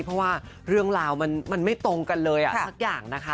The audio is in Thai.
เพราะว่าเรื่องราวมันไม่ตรงกันเลยสักอย่างนะคะ